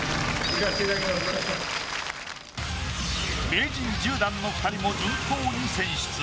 名人１０段の２人も順当に選出。